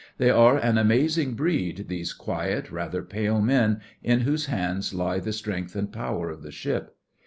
They are an amazing breed, these quiet, rather pale men, in whose hands lie the strength and power of the ship.